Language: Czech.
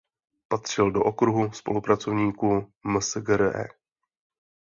Patřil do okruhu spolupracovníků Msgre.